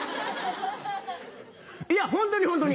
いやホントにホントに！